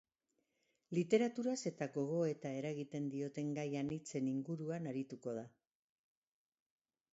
Literaturaz eta gogoeta eragiten dioten gai anitzen ingruan arituko da.